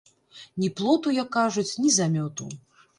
Ні плоту, як кажуць, ні замёту.